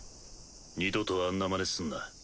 二度とあんなまねすんな。